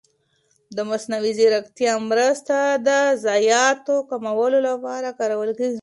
د مصنوعي ځېرکتیا مرسته د ضایعاتو کمولو لپاره کارول کېږي.